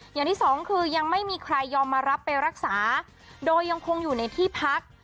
อย่างที่สองคือยังไม่มีใครยอมมารับไปรักษาโดยยังคงอยู่ในที่พัก